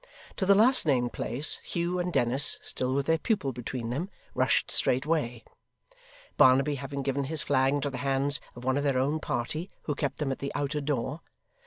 To the last named place, Hugh and Dennis, still with their pupil between them, rushed straightway; Barnaby having given his flag into the hands of one of their own party, who kept them at the outer door.